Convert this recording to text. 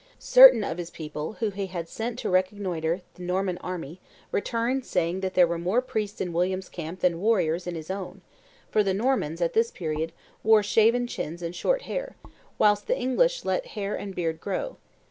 Certain of his people, whom he had sent to reconnoitre the Norman army, returned saying that there were more priests in William's camp than warriors in his own; for the Normans, at this period, wore shaven chins and short hair, whilst the English let hair and beard grow.